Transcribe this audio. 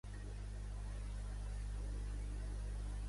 Ed Buller li va escriure a Burns, "una mica incrèdul".